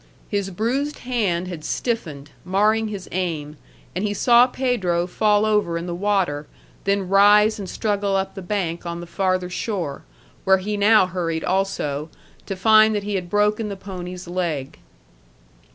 His bruised hand had stiffened, marring his aim, and he saw Pedro fall over in the water then rise and struggle up the bank on the farther shore, where he now hurried also, to find that he had broken the pony's leg.